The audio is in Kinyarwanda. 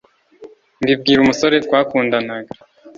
mbibwira umusore twakundanaga